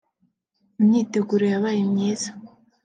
Imyiteguro yabaye myiza